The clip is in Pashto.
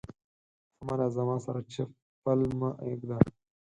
احمده! زما سره چپ پل مه اېږده.